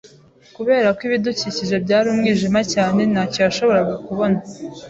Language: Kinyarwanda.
Kubera ko ibidukikije byari umwijima cyane, ntacyo yashoboraga kubona.